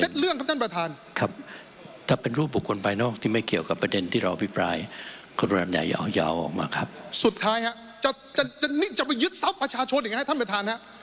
อเจมส์ข้อสุดท้ายจะปล่อยให้คนนี้ไปเย็นท่าชาชนกันไม่ได้ครับท่านบัตาน